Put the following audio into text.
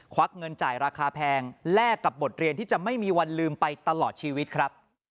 วักเงินจ่ายราคาแพงแลกกับบทเรียนที่จะไม่มีวันลืมไปตลอดชีวิตครับ